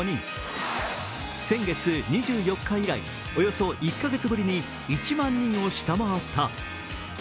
先月２４日以来およそ１カ月ぶりに１万人を下回った。